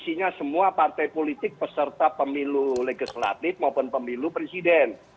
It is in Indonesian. isinya semua partai politik peserta pemilu legislatif maupun pemilu presiden